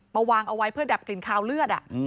วางเอาไว้เพื่อดับกลิ่นคาวเลือด